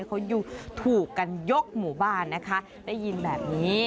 เขาอยู่ถูกกันยกหมู่บ้านนะคะได้ยินแบบนี้